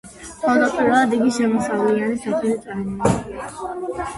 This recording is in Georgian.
თავდაპირველად იგი შემოსავლიან სახლს წარმოადგენდა.